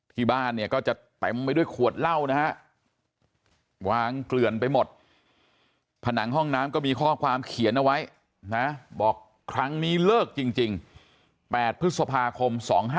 ที่บ้านเนี่ยก็จะเต็มไปด้วยขวดเหล้านะฮะวางเกลื่อนไปหมดผนังห้องน้ำก็มีข้อความเขียนเอาไว้นะบอกครั้งนี้เลิกจริง๘พฤษภาคม๒๕๖